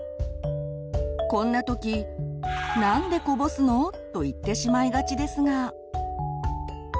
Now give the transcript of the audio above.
こんなとき「なんでこぼすの？」と言ってしまいがちですが。